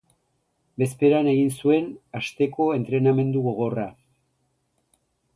Bezperan egin zuen asteko entrenamendu gogorra